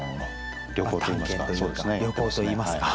旅行といいますか。